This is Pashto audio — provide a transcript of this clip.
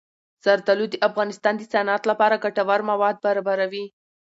زردالو د افغانستان د صنعت لپاره ګټور مواد برابروي.